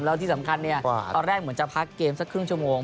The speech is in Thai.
แล้วที่สำคัญตอนแรกเหมือนจะพักเกมสักครึ่งชั่วโมง